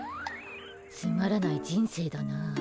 つまらない人生だな。